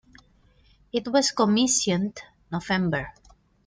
It was commissioned November.